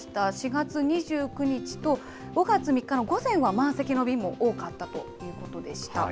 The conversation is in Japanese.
４月２９日と５月３日の午前は満席の便も多かったということでした。